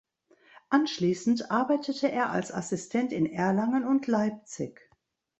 Anschließend arbeitete er als Assistent in Erlangen und Leipzig.